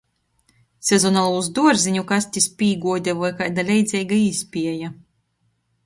Sezonalūs duorziņu kastis pīguode voi kaida leidzeiga īspieja.